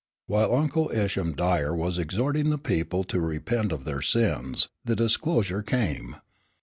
While Uncle Isham Dyer was exhorting the people to repent of their sins, the disclosure came.